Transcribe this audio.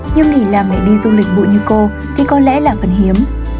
nhưng nghỉ làm lại đi du lịch bụi như cô thì có lẽ là phần hiếm